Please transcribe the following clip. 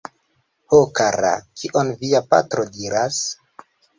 Ho kara, kion via patro diras?